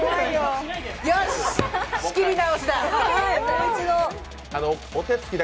よし、仕切り直しだ。